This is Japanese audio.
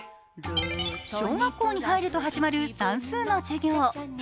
小学校に入ると始まる算数の授業。